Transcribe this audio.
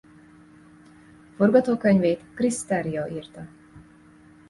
Forgatókönyvét Chris Terrio írta.